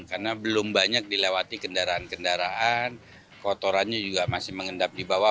karena belum banyak dilewati kendaraan kendaraan kotorannya juga masih mengendap di bawah